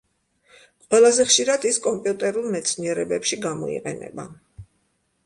ყველაზე ხშირად ის კომპიუტერულ მეცნიერებებში გამოიყენება.